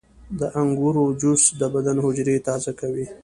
• د انګورو جوس د بدن حجرې تازه کوي.